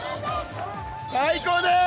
最高でーす！